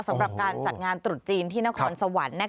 สำหรับการจัดงานตรุษจีนที่นครสวรรค์